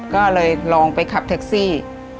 ก็เลยลองไปขับแท็กซี่